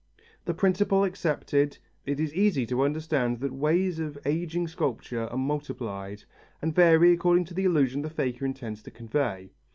The principle accepted, it is easy to understand that ways of ageing sculpture are multiplied, and vary according to the illusion the faker intends to convey.